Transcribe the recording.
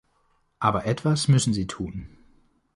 Aber etwas müssen sie tun.